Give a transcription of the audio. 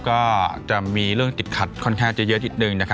ก็จะมีเรื่องติดขาดค่อนข้างจะเยอะที่สุดนึงนะครับ